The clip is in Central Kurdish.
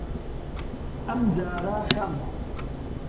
ئەمجارە خەم